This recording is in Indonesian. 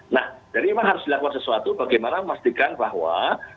nah jadi memang harus dilakukan sesuatu bagaimana memastikan bahwa